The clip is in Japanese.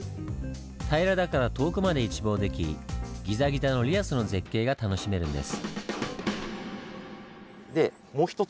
平らだから遠くまで一望できギザギザのリアスの絶景が楽しめるんです。